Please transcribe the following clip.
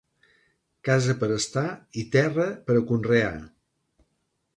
Casa per a estar i terra per a conrear.